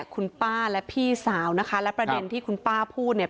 คุณป้าและพี่สาวนะคะและประเด็นที่คุณป้าพูดเนี่ย